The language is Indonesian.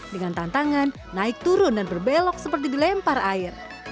dengan tantangan naik turun dan berbelok seperti dilempar air